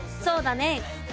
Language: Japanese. そうだね